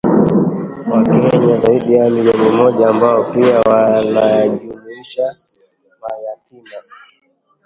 Wakenya zaidi ya milioni moja ambao pia wanajumuisha mayatima